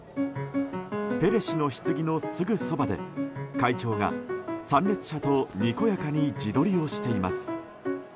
ペレ氏のひつぎのすぐそばで会長が参列者とにこやかに自撮りをしています。